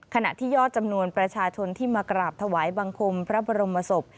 ขณะที่ยอดจำนวนประชาชนที่มากราบถวายบังคมพระบรมศพ